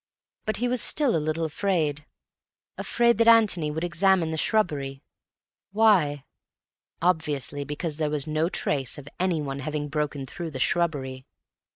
But he was still a little afraid. Afraid that Antony would examine the shrubbery. Why? Obviously because there was no trace of anyone having broken through the shrubbery.